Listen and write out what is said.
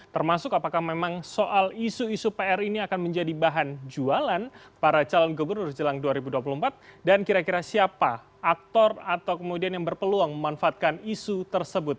termasuk apakah memang soal isu isu pr ini akan menjadi bahan jualan para calon gubernur jelang dua ribu dua puluh empat dan kira kira siapa aktor atau kemudian yang berpeluang memanfaatkan isu tersebut